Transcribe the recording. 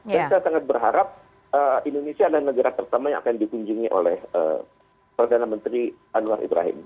dan saya sangat berharap indonesia adalah negara pertama yang akan dikunjungi oleh perdana menteri anwar ibrahim